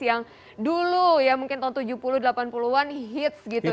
yang dulu ya mungkin tahun tujuh puluh delapan puluh an hits gitu